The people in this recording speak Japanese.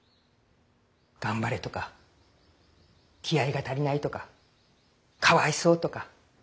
頑張れとか気合いが足りないとかかわいそうとか。